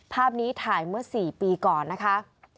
ภาพนี้ถ่ายเมื่อ๔ปีก่อนนะคะ